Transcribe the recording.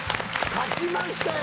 勝ちましたよ。